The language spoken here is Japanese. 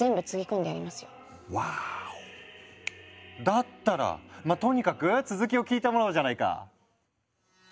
だったらまぁとにかく続きを聞いてもらおうじゃないか。